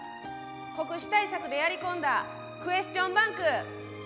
「国試対策でやり込んだクエスチョンバンク」。